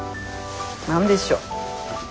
何でしょう。